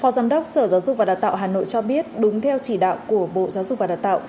phó giám đốc sở giáo dục và đào tạo hà nội cho biết đúng theo chỉ đạo của bộ giáo dục và đào tạo